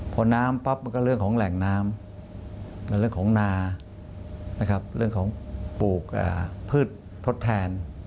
พอน้ำปั๊บมันก็เรื่องของแหล่งน้ำเรื่องของนานะครับเรื่องของปลูกพืชทดแทน